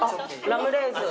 ラムレーズン？